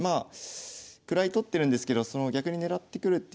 位取ってるんですけど逆に狙ってくるっていうのがね